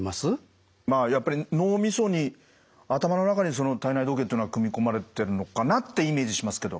まあやっぱり脳みそに頭の中にその体内時計というのは組み込まれてるのかなってイメージしますけど。